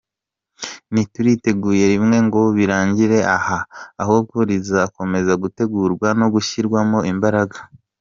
Ntituriteguye rimwe ngo birangirire aha ahubwo rizakomeza gutegurwa no gushyirwamo imbaraga.